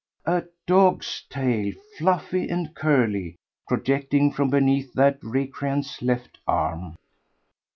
—a dog's tail, fluffy and curly, projecting from beneath that recreant's left arm.